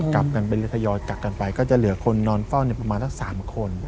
กลับกันไปทยอยกลับกันไปก็จะเหลือคนนอนเฝ้าประมาณสัก๓คน